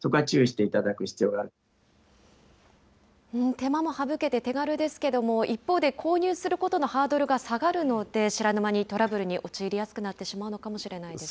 手間も省けて手軽ですけれども、一方で購入することのハードルが下がるので、知らぬ間にトラブルに陥りやすくなってしまうのかもしれないです